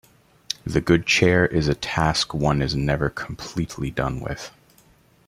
The good chair is a task one is never completely done with.